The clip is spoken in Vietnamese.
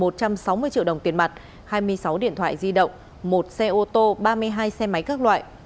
một trăm sáu mươi triệu đồng tiền mặt hai mươi sáu điện thoại di động một xe ô tô ba mươi hai xe máy các loại